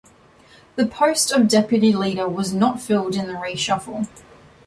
The post of deputy leader was not filled in the reshuffle.